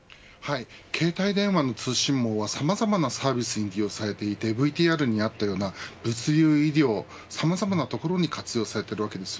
携帯電話の通信網はさまざまなサービスに利用されていてＶＴＲにあったような、物流医療さまざまなところに活用されています。